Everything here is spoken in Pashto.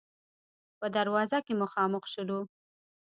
په دروازه کې مخامخ شولو.